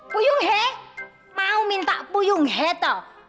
puyung he mau minta puyung he toh